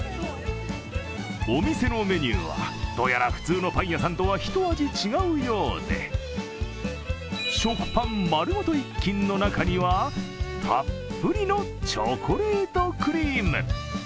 お店のメニューは、どうやら普通のパン屋さんとはひと味違うようで、食パンまるごと一斤の中にはたっぷりのチョコレートクリーム。